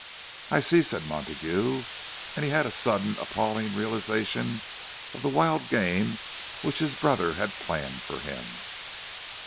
"I see," said Montague—and he had a sudden appalling realization of the wild game which his brother had planned for him.